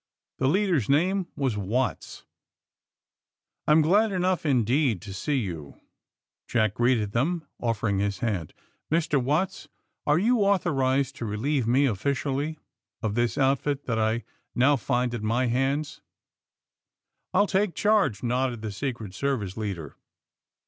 The leader's name was Watts. I'm glad enough, indeed, to see you," Jack greeted them, offering his hand. *^Mr. Watts, are you authorized to relieve me, officially, of the outfit that I now find on my hands 1 '' '^I'll take charge," nodded the Secret Service leader.